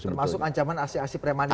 termasuk ancaman asli asi premanis